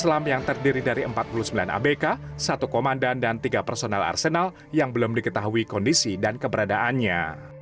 selam yang terdiri dari empat puluh sembilan abk satu komandan dan tiga personal arsenal yang belum diketahui kondisi dan keberadaannya